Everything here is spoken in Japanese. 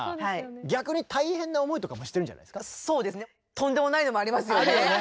とんでもないのもありますよね。